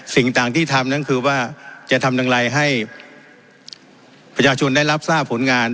สิ่งต่างที่ทำนั้นคือว่าจะทำอย่างไรให้ประชาชนได้รับทราบผลงาน